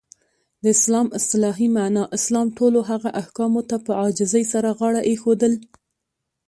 د اسلام اصطلاحی معنا : اسلام ټولو هغه احکامو ته په عاجزی سره غاړه ایښودل.